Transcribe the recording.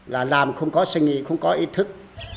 là làm không có suy nghĩ không có ý thức